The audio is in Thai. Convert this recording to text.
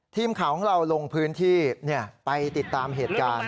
ทีมข่าวของเราลงพื้นที่ไปติดตามเหตุการณ์